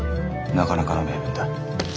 なかなかの名文だ。